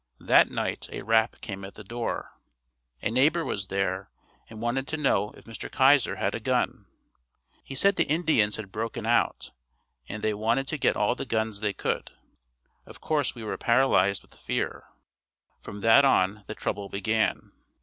That night a rap came at the door. A neighbor was there and wanted to know if Mr. Keysor had a gun. He said the Indians had broken out and they wanted to get all the guns they could. Of course we were paralyzed with fear. From that on the trouble began.